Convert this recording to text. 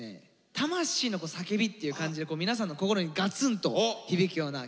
魂の叫びっていう感じで皆さんの心にガツンと響くような曲になっております。